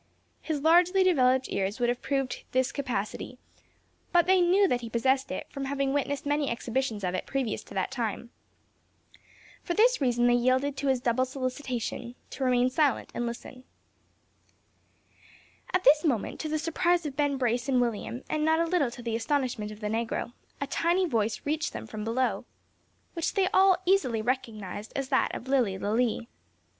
His largely developed ears would have proved this capacity; but they knew that he possessed it, from having witnessed many exhibitions of it previous to that time. For this reason they yielded to his double solicitation, to remain silent and listen. At this moment, to the surprise of Ben Brace and William, and not a little to the astonishment of the negro, a tiny voice reached them from below, which they all easily recognised as that of Lilly Lalee.